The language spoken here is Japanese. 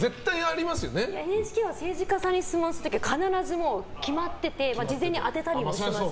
ＮＨＫは政治家さんに質問する時は必ず決まってて事前に当てたりもしますし。